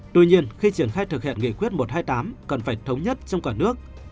tuy nhiên khi triển khai thực hiện nghị quyết một trăm hai mươi tám cần phải thống nhất trong cả nước